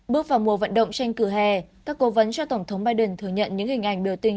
bước vào mùa vận động tranh cử hè các cố vấn cho tổng thống biden thừa nhận những hình ảnh biểu tình